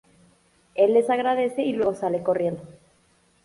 Él les agradece y luego sale corriendo.